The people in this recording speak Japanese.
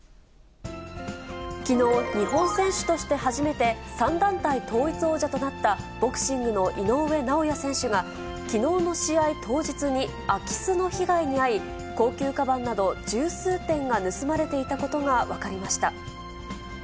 きのう、日本選手として初めて３団体統一王者となったボクシングの井上尚弥選手が、きのうの試合当日に空き巣の被害に遭い、高級かばんなど、十数点が盗まれていたことが分かりました。